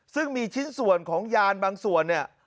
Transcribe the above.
ซึ่งมีชิ้นส่วนของยานบางส่วนเนี่ย